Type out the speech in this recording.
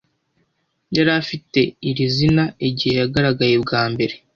yari afite iri zina igihe yagaragaye bwa mbere